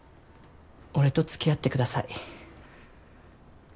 俺とつきあってください。